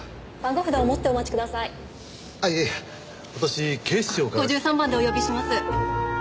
５３番でお呼びします。